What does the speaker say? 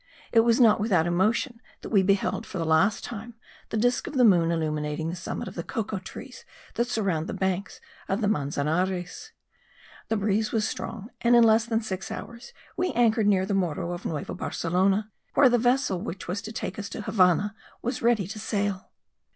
It was not without emotion that we beheld for the last time the disc of the moon illuminating the summit of the cocoa trees that surround the banks of the Manzanares. The breeze was strong and in less than six hours we anchored near the Morro of Nueva Barcelona, where the vessel which was to take us to the Havannah was ready to sail.